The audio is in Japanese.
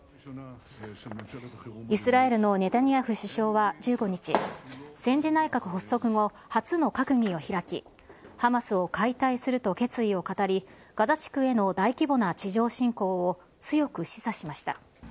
イスラエルのネタニヤフ首相は１５日、戦時内閣発足後初の閣議を開き、ハマスを解体すると決意を語り、ガザ地区への大規模な地上侵攻を強く示唆しました。